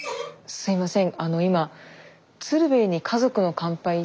すいません。